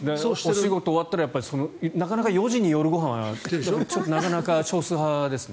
お仕事終わってなかなか４時に夜ご飯は少数派ですね。